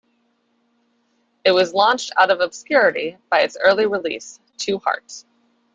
It was launched out of obscurity by its early release "To Heart".